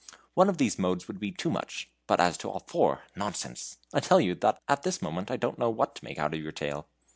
One of these modes would be too much, but as to all the four nonsense. I tell you that at this moment I don't know what to make out of your tale."